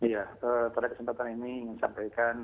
ya pada kesempatan ini ingin sampaikan